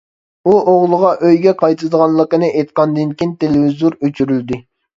ئۇ ئوغلىغا ئۆيىگە قايتىدىغانلىقىنى ئېيتقاندىن كېيىن تېلېۋىزور ئۆچۈرۈلدى.